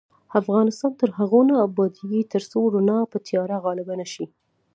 افغانستان تر هغو نه ابادیږي، ترڅو رڼا پر تیاره غالبه نشي.